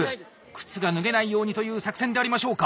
靴が脱げないようにという作戦でありましょうか。